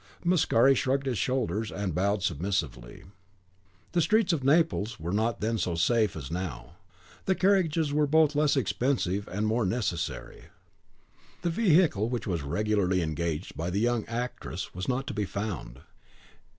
Mascari shrugged his shoulders, and bowed submissively. The streets of Naples were not then so safe as now, and carriages were both less expensive and more necessary. The vehicle which was regularly engaged by the young actress was not to be found.